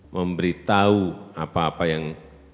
memberitahu apa apa yang